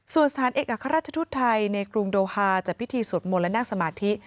สถานเอกอัครราชทุธิ์ไทยในกรุงโดฮาจะพิธีสวดมลแหละยังสมาธิ